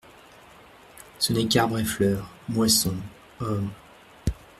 Ce n'est qu'arbres et fleurs, moissons, hommes.